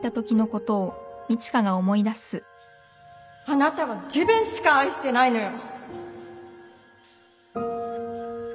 あなたは自分しか愛してないのよ